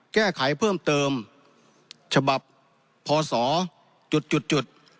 แก้ไขเพิ่มเติมฉบับพศจุด